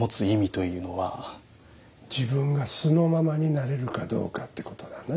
自分が素のままになれるかどうかってことだね。